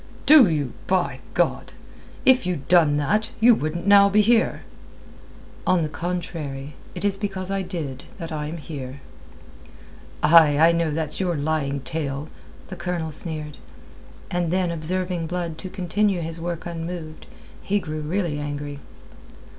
"Do you, by God! If you'd done that, you wouldn't now be here." "On the contrary, it is because I did it that I am here." "Aye, I know that's your lying tale." The Colonel sneered; and then, observing Blood to continue his work unmoved, he grew really angry.